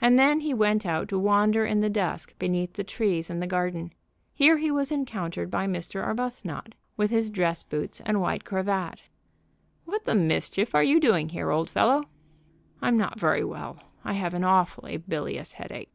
And then he went out to wander in the dusk beneath the trees in the garden. Here he was encountered by Mr. Arbuthnot, with his dress boots and white cravat. "What the mischief are you doing here, old fellow?" "I'm not very well. I have an awfully bilious headache."